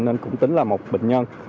nên cũng tính là một bệnh nhân